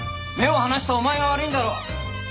目を離したお前が悪いんだろう！